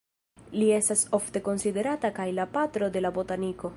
Li estas ofte konsiderata kaj la "patro de la botaniko".